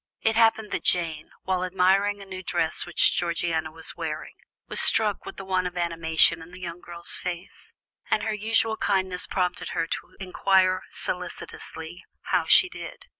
It happened that Jane, while admiring a new dress which Georgiana was wearing, was struck with the want of animation in the young girl's face, and her usual kindness prompted her to inquire solicitously how she did.